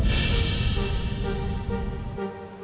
udah mau ke rumah